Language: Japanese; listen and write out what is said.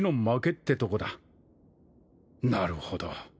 なるほど。